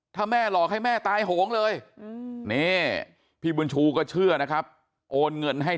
ถ้าแม่หลอกให้แม่ตายโหงเลยนี่พี่บุญชูก็เชื่อนะครับโอนเงินให้